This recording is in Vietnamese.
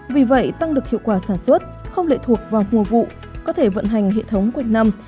vì vậy tăng được hiệu quả sản xuất không lệ thuộc vào mùa vụ có thể vận hành hệ thống quyệt năm